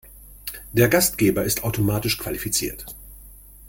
Der Gastgeber ist automatisch qualifiziert.